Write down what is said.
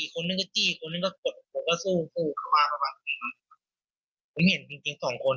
คนนั้นก็จี้คนนั้นก็กด